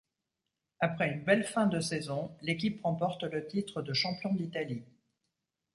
Après une belle fin de saison, l'équipe remporte le titre de champion d'Italie.